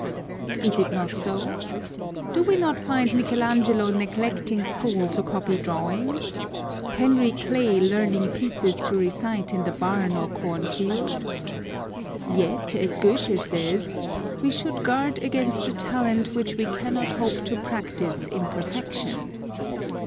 Is it not so? Do we not find Michael Angelo neglecting school to copy drawings? Henry Clay learning pieces to recite in the barn or corn field? Yet, as Goethe says: "We should guard against a talent which we cannot hope to practice in perfection.